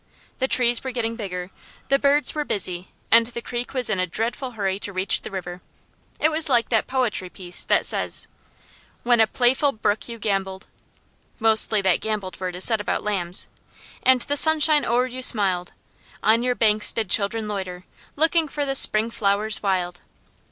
The trees were getting bigger, the birds were busy, and the creek was in a dreadful hurry to reach the river. It was like that poetry piece that says: "When a playful brook, you gambolled," (Mostly that gambolled word is said about lambs) "And the sunshine o'er you smiled, On your banks did children loiter, Looking for the spring flowers wild?"